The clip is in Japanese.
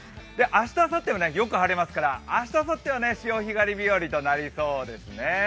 明日、あさってはよく晴れますから明日、あさっては潮干狩り日和となりそうですね。